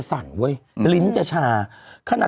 มีสารตั้งต้นเนี่ยคือยาเคเนี่ยใช่ไหมคะ